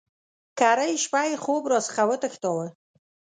کرۍ شپه یې خوب را څخه وتښتاوه.